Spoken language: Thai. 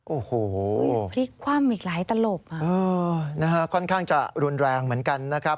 โอ้โฮนะคะค่อนข้างจะรุนแรงเหมือนกันนะครับ